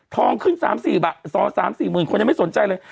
ทองขึ้นสามสี่บาทสองสามสี่หมื่นคนยังไม่สนใจเลย